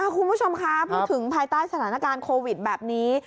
คุณผู้ชมคะพูดถึงภายใต้สถานการณ์โควิดแบบนี้